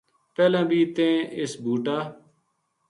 پہلاں بھی تیں اس بوٹا